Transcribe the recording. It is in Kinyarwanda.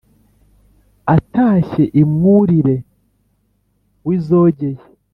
atashye i mwurire w’izogeye